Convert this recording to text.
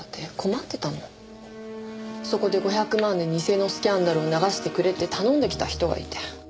そこで５００万で偽のスキャンダルを流してくれって頼んできた人がいて。